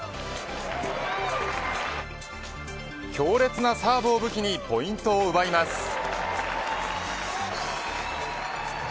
強烈なサーブを武器にポイントを奪います。